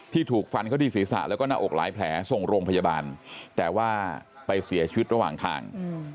ถูกฟันเขาที่ศีรษะแล้วก็หน้าอกหลายแผลส่งโรงพยาบาลแต่ว่าไปเสียชีวิตระหว่างทาง